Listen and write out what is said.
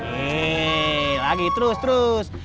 hei lagi terus terus